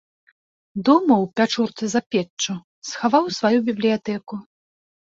Дома ў пячурцы за печчу схаваў сваю бібліятэку.